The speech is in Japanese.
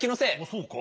そうか？